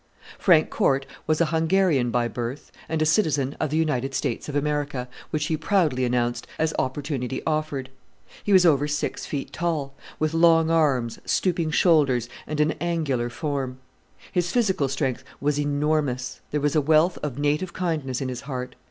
Frank Corte was a Hungarian by birth, and a citizen of the United States of America, which he proudly announced as opportunity offered. He was over six feet tall, with long arms, stooping shoulders, and an angular form. His physical strength was enormous: there was a wealth of native kindness in his heart.